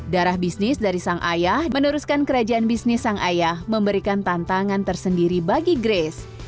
darah bisnis dari sang ayah meneruskan kerajaan bisnis sang ayah memberikan tantangan tersendiri bagi grace